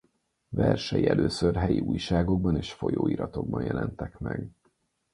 Versei először helyi újságokban és folyóiratokban jelentek meg.